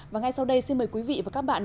và ngay sau đây xin mời quý vị và các bạn